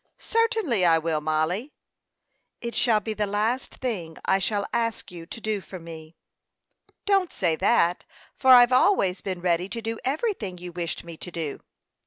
"Certainly, I will, Mollie." "It shall be the last thing I shall ask you to do for me." "Don't say that, for I've always been ready to do everything you wished me to do."